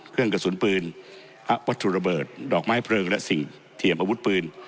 เครื่องกระสุนปืนวัตถุระเบิดดอกไม้เพลิงและสิ่งเทียมอาวุธปืน